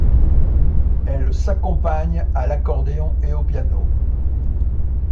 Elle s'accompagne à l'accordéon et au piano.